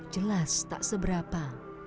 jelas tak seberapa